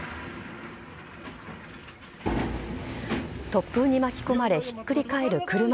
突風に巻き込まれひっくり返る車。